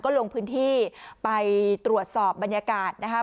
ลงพื้นที่ไปตรวจสอบบรรยากาศนะครับ